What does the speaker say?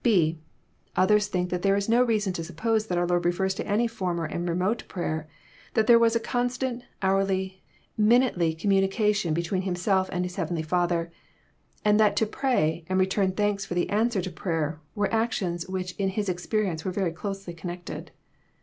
(&) Others think that there Is no reason to suppose that our Lord refers to any former and remote prayer, — that there was a constant, hourly, minutely communication between Himself and His heavenly Father, — and that to pray, and return thanks for the answer to prayer, were actions which in His experience were very closely connected.